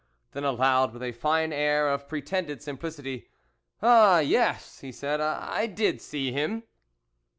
Then, aloud, with a fine air of pretended simplicity, " Ah, yes !" he said, " I did see him."